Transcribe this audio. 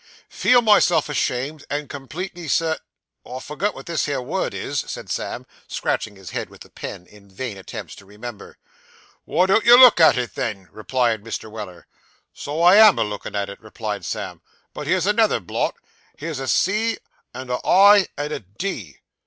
'Feel myself ashamed, and completely cir ' I forget what this here word is,' said Sam, scratching his head with the pen, in vain attempts to remember. 'Why don't you look at it, then?' inquired Mr. Weller. 'So I am a lookin' at it,' replied Sam, 'but there's another blot. Here's a "c," and a "i," and a "d."